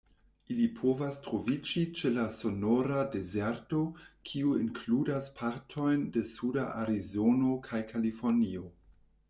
Ili povas troviĝi ĉe la Sonora-Dezerto, kiu inkludas partojn de suda Arizono kaj Kalifornio.